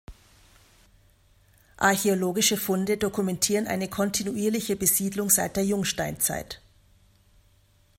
Archäologische Funde dokumentieren eine kontinuierliche Besiedlung seit der Jungsteinzeit.